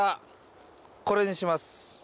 これにします。